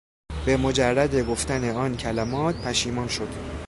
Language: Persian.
به مجرد گفتن آن کلمات پشیمان شد.